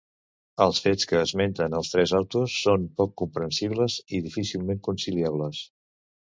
Els fets que esmenten els tres autos són poc comprensibles i difícilment conciliables.